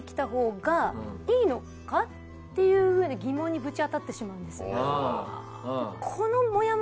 っていうふうに疑問にブチ当たってしまうんです。